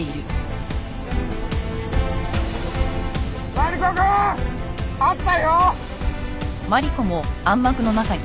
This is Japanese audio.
マリコくん！あったよ！